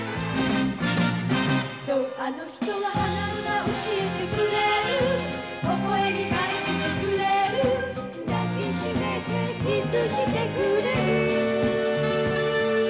「そうあの人は花の名教えてくれる」「微笑み返してくれる抱きしめてＫｉｓｓしてくれる」